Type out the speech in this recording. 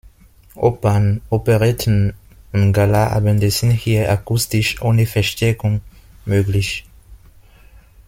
Opern, Operetten und Gala-Abende sind hier akustisch ohne Verstärkung möglich.